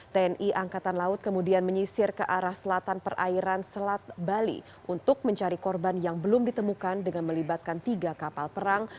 tni angkatan laut kemudian menyisir ke arah selatan perairan selat bali untuk mencari korban yang belum ditemukan dengan melibatkan tiga kapal perang